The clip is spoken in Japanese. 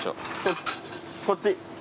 こっち？